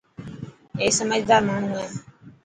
اي سمجهدار ماڻهو هي.